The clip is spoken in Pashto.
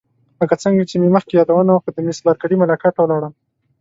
لکه څنګه چې مې مخکې یادونه وکړه د میس بارکلي ملاقات ته ولاړم.